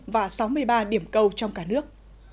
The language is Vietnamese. và sáu mươi ba điểm cầu trong cả nước